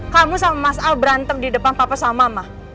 kamu sama mas al berantem di depan papa sama mas